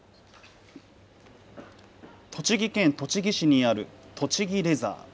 栃木県栃木市にある栃木レザー。